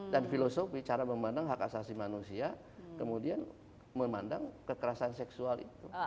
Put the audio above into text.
dan filosofi cara memandang hak asasi manusia kemudian memandang kekerasan seksual itu